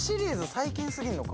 最近すぎんのか・